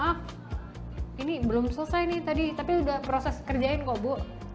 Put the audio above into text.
maaf ini belum selesai nih tadi tapi udah proses kerjain kok bu